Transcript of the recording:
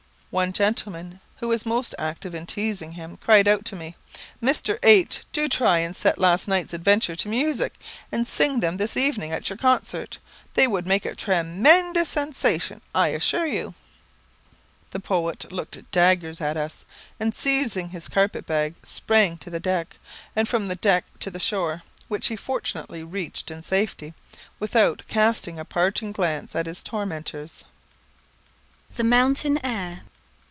One gentleman, who was most active in teasing him, cried out to me, "Mr. H , do try and set last night's adventures to music, and sing them this evening at your concert. They would make a tre men dous sensation, I assure you." The poet looked daggers at us, and seizing his carpet bag, sprang to the deck, and from the deck to the shore, which he fortunately reached in safety, without casting a parting glance at his tormentors. The Mountain Air.